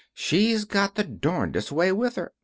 She's got the darndest way with her.